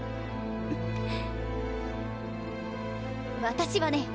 私はね